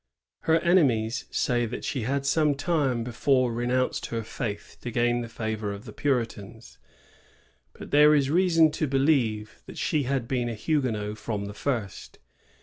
Her enemies say that she had some time before renounced her faith to gain the favor of the Puritans ; but there is reason to believe that she had been a Huguenot from the first.